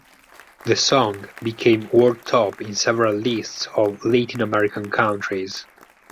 The song became world top in several lists of Latin American countries.